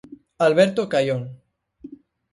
Alberto Caión.